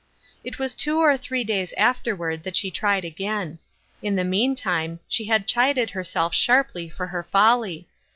It was two or three days afterward that she tried again. In the meantime, she had chided herself sharply for her folly.